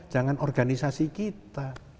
jangan organisasi kita